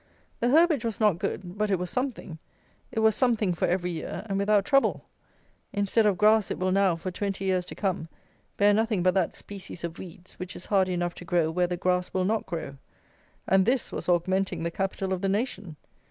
The herbage was not good, but it was something; it was something for every year, and without trouble. Instead of grass it will now, for twenty years to come, bear nothing but that species of weeds which is hardy enough to grow where the grass will not grow. And this was "augmenting the capital of the nation."